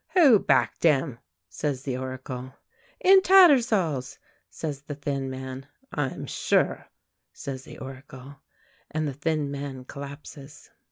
"Who backed 'im?" says the Oracle. "In Tattersall's," says the thin man. "I'm sure," says the Oracle; and the thin man collapses.